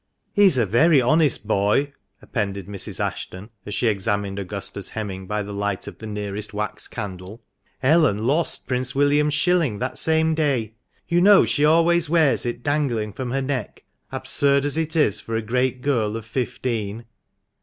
"He is a very honest boy," appended Mrs. Ashton, as she examined Augusta's hemming by the light of the nearest wax candle. "Ellen lost Prince William's shilling that same day. You know she always wears it dangling from her neck, absurd as it is for a great girl of fifteen."